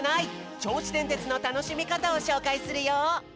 ちょうしでんてつのたのしみかたをしょうかいするよ。